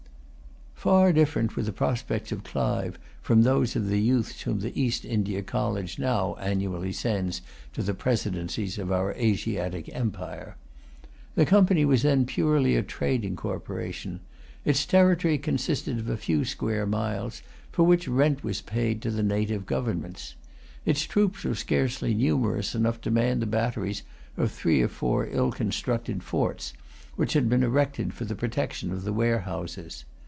Far different were the prospects of Clive from those of the youths whom the East India College now annually sends to the Presidencies of our Asiatic empire. The Company was then purely a trading corporation. Its territory consisted of few square miles, for which rent was paid to the native governments. Its troops were scarcely numerous enough to man the batteries of three or four ill constructed forts, which had been erected for the protection of the warehouses.